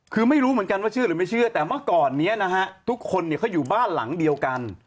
คือไม่รู้เหมือนกันว่าเชื่อหรือไม่เชื่อแต่เมื่อก่อนนี้นะฮะทุกคนเนี่ยเขาอยู่บ้านหลังเดียวกัน